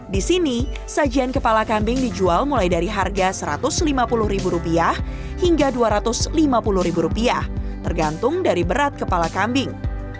di sini sajian kepala kambing dijual mulai dari harga rp satu ratus lima puluh hingga rp dua ratus lima puluh tergantung dari berat kepala kambing